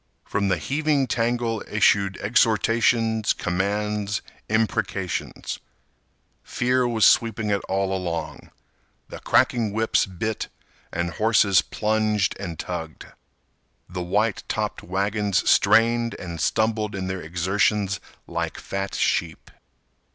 From the heaving tangle issued exhortations, commands, imprecations. Fear was sweeping it all along. The cracking whips bit and horses plunged and tugged. The white topped wagons strained and stumbled in their exertions like fat sheep.